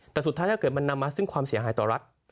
แต่สุดท้ายถ้าเกิดมันนำมาซึ่งความเสียหายต่อรัฐ